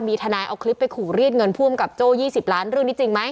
มีทนายเอาคลิปไปขู่รีดเงินผู้อำกับโจ้๒๐ล้านเรื่องนี้จริงไหม